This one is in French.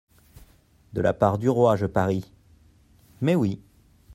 De la part du roi, je parie ? Mais oui.